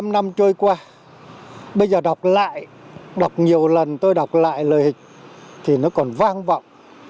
bảy mươi năm năm trôi qua bây giờ đọc lại đọc nhiều lần tôi đọc lại lời hịch thì nó còn vang vọng